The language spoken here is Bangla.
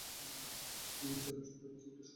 এছাড়াও শহরে রয়েছে একটি সমুদ্র বন্দর।